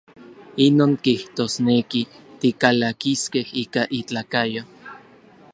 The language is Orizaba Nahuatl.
Inon kijtosneki, tikalakiskej ika itlakayo.